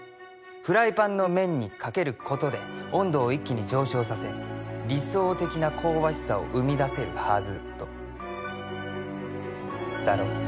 フライパンの面にかけることで温度を一気に上昇させ理想的な香ばしさを生み出せるはずとだろ？